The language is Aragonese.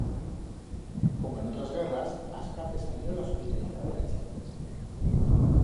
Como en otras guerras, a escape salié la solidaridat de la chent.